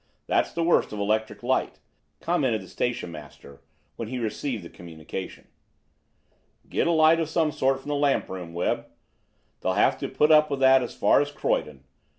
That's the worst of electric light," commented the station master when he received the communication. "Get a light of some sort from the lamp room, Webb. They'll have to put up with that as far as Croydon.